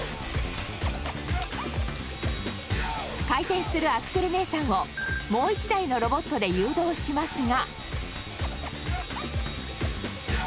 回転するアクセル姉さんをもう１台のロボットで誘導しますが。